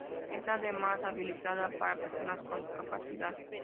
Está además habilitada para personas con discapacidad.